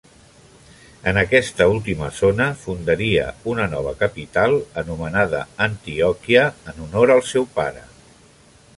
En aquesta última zona fundaria una nova capital, anomenada Antioquia, en honor al seu pare.